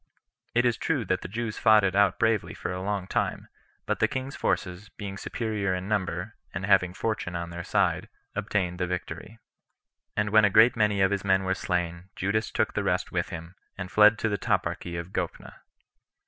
It is true that the Jews fought it out bravely for a long time, but the king's forces, being superior in number, and having fortune on their side, obtained the victory. And when a great many of his men were slain, Judas took the rest with him, and fled to the toparchy of Gophna.